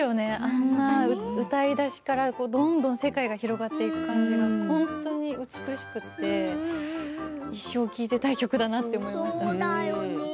あんな歌いだしからどんどん世界が広がっていく感じで美しくて、一生聴いていたい曲だなって思いました。